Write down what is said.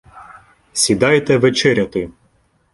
Сідайте вечеряти.